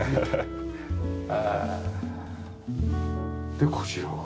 でこちらは？